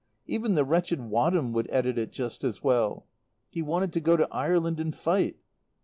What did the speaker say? Even the wretched Wadham would edit it just as well. He wanted to go to Ireland and fight.